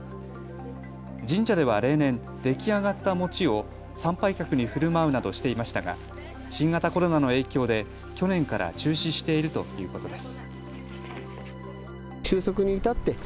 神社では例年、出来上がった餅を参拝客にふるまうなどしていましたが新型コロナの影響で去年から中止しているということです。